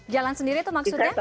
jalan sendiri itu maksudnya